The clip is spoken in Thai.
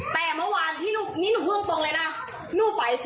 แต่เมื่อวานที่หนูนี่หนูเพิ่งตรงเลยนะหนูไปที่